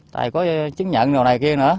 tại có chứng nhận đồ này kia nữa